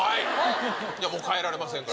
もう変えられませんから。